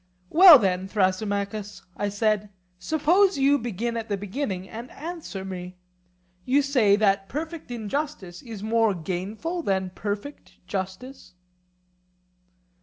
Well, then, Thrasymachus, I said, suppose you begin at the beginning and answer me. You say that perfect injustice is more gainful than perfect justice?